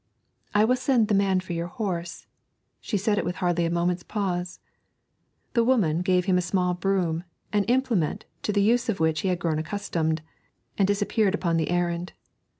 'I will send the man for your horse.' She said it with hardly a moment's pause. The woman gave him a small broom, an implement to the use of which he had grown accustomed, and disappeared upon the errand.